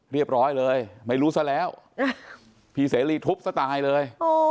เรียบร้อยเลยไม่รู้ซะแล้วพี่เสรีทุบซะตายเลย